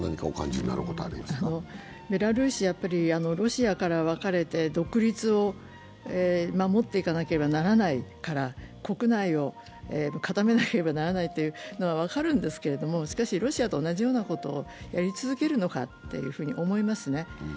ベラルーシはロシアから分かれて独立を守っていかなければならないから国内を固めなければならないというのはわかるんですけれども、しかしロシアと同じようなことをやり続けるのかと思いますね。